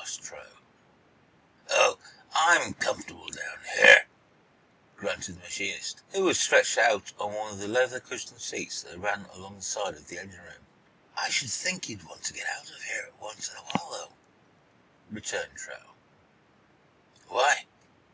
asked Truax. "Oh, I'm comfortable down here," grunted the machinist, who was stretched out on one of the leather cushioned seats that ran along the side of the engine room. "I should think you'd want to get out of here once in a while, though," returned Truax. "Why?"